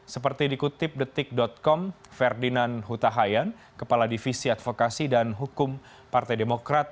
seperti dikutip detik com ferdinand huta hayan kepala divisi advokasi dan hukum partai demokrat